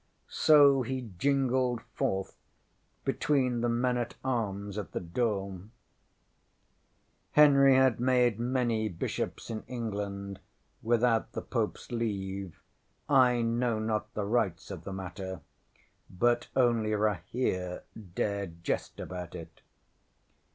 ŌĆØ So he jingled forth between the men at arms at the door. ŌĆśHenry had made many bishops in England without the PopeŌĆÖs leave. I know not the rights of the matter, but only Rahere dared jest about it.